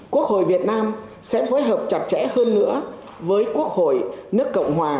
quốc hội việt nam sẽ phối hợp chặt chẽ hơn nữa với quốc hội nước cộng hòa